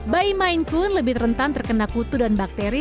bayi mainkun lebih rentan terkena kutu dan bakteri